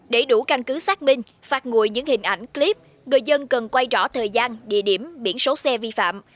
để đủ căn cứ xác minh phạt ngùi những hình ảnh clip người dân cần quay rõ thời gian địa điểm biển số xe vi phạm